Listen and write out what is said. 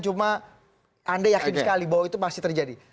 cuma anda yakin sekali bahwa itu masih terjadi